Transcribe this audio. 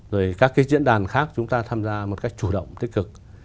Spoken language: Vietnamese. rồi các cái diễn đàn khác chúng ta tham gia một cách chủ động tích cực